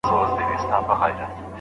یا را یاد کم یو په یو هغه ځایونه